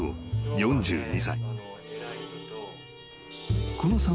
４２歳］